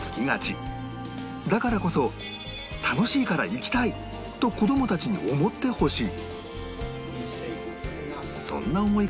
だからこそ楽しいから行きたい！と子供たちに思ってほしい